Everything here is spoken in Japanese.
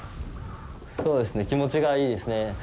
そうですね、気持ちがいいですね。